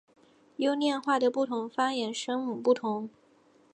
优念话的不同方言声母不同。